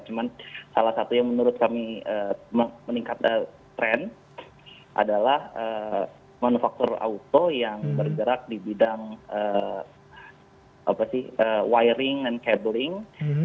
cuma salah satu yang menurut kami meningkat tren adalah manufaktur auto yang bergerak di bidang wiring and kabeling